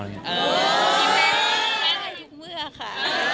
แม่ให้ทุกเมื่อค่ะ